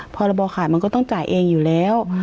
พรบขายมันก็ต้องจ่ายเองอยู่แล้ว